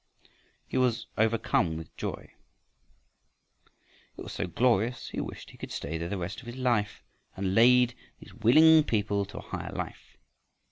He was overcome with joy. It was so glorious he wished he could stay there the rest of his life and lead these willing people to a higher life.